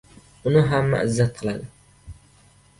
Uni hamma izzat qiladi.